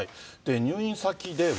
入院先では。